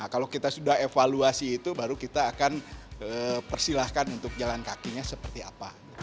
kalau kita sudah evaluasi itu baru kita akan persilahkan untuk jalan kakinya seperti apa